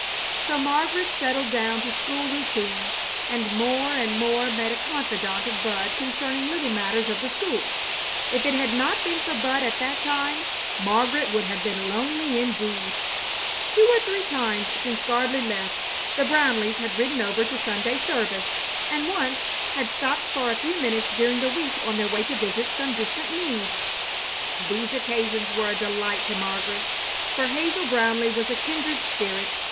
So Margaret settled down to school routine, and more and more made a confidant of Bud concerning little matters of the school. If it had not been for Bud at that time Margaret would have been lonely indeed. Two or three times since Gardley left, the Brownleighs had ridden over to Sunday service, and once had stopped for a few minutes during the week on their way to visit some distant need. These occasions were a delight to Margaret, for Hazel Brownleigh was a kindred spirit.